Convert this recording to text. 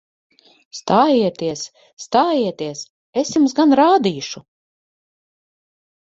Stājieties! Stājieties! Es jums gan rādīšu!